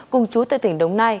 cùng chú tại tỉnh đồng nai